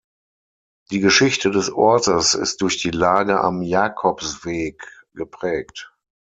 Die Geschichte des Ortes ist durch die Lage am Jakobsweg geprägt.